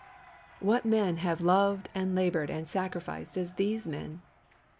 What men have loved and laboured and sacrificed as these men?